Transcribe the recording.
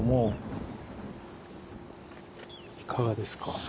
いかがですか？